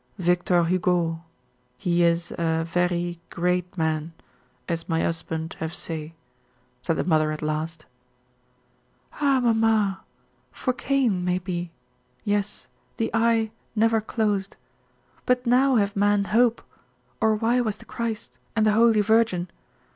"Victor Hugo, he is a very great man, as my 'usband have say," said the mother at last. "Ah, mamma. For Cain, maybe, yes, the Eye never closed, but now have man hope or why was the Christ and the Holy Virgin?